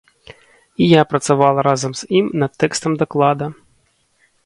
І я працавала разам з ім над тэкстам даклада.